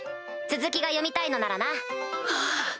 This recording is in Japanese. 続きが読みたいのならな。